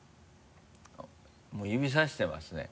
もう指さしてますね。